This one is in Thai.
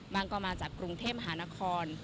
ก็มาจากกรุงเทพมหานคร